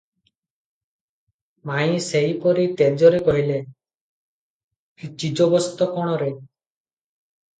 ମାଇଁ ସେହିପରି ତେଜରେ କହିଲେ, "ଚିଜବସ୍ତ କଣରେ?